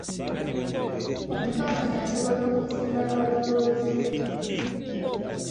Omutontomi asobola okuzimba amaloboozi ge,